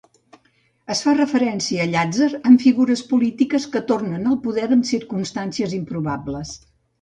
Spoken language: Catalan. Es fa referència a Llàtzer en figures polítiques que tornen al poder en circumstàncies improbables.